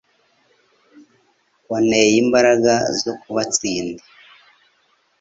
Wanteye imbaraga zo kubatsinda